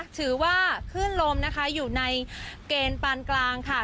ถือว่าขึ้นลมนะคะอยู่ในเกณฑ์ปานกลางค่ะ